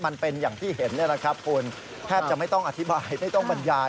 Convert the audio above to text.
มันเป็นอย่างที่เห็นนี่แหละครับคุณแทบจะไม่ต้องอธิบายไม่ต้องบรรยาย